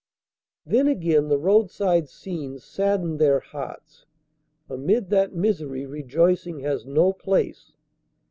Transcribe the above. Then again the roadside scenes sadden their hearts. Amid that misery rejoicing has no place.